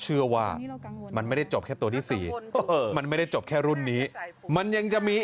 เชื่อว่ามันไม่ได้จบแค่ตัวที่สี่มันไม่ได้จบแค่รุ่นนี้มันยังจะมี